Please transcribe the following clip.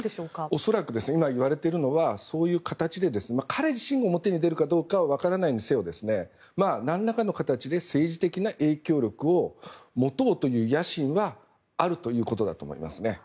恐らく今いわれているのはそういう形で彼自身が表に出るかは分からないにせよ何らかの形で政治的な影響力を持とうという野心はあるということだと思いますね。